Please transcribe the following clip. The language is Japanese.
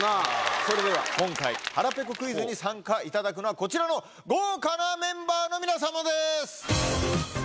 それでは今回腹ぺこクイズに参加いただくのはこちらの豪華なメンバーの皆様です！